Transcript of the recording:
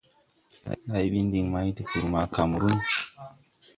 Ndáy ɓin diŋ may tupuri ma Kamrun.